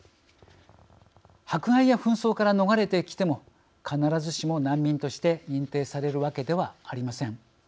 迫害や紛争から逃れてきても必ずしも難民として認定されるわけではありません。